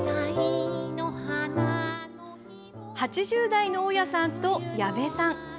８０代の大家さんと矢部さん。